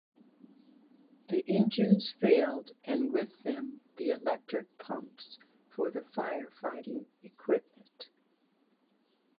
The engines failed and with them the electric pumps for the firefighting equipment.